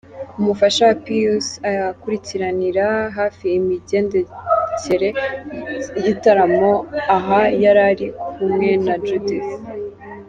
Umufasha wa Pius akurikiranira hafi imigendekere y'igitaramo aha yarari kumwe na Judith.